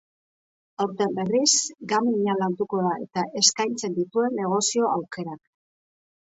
Aurten, berriz, gaming-a landuko da, eta eskaintzen dituen negozio-aukerak.